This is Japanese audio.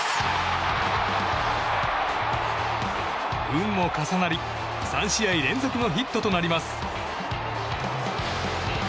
運も重なり、３試合連続のヒットとなります。